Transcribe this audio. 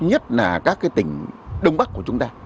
nhất là các tỉnh đông bắc của chúng ta